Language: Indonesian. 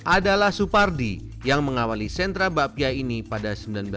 adalah supardi yang mengawali sentra bakpia ini pada seribu sembilan ratus sembilan puluh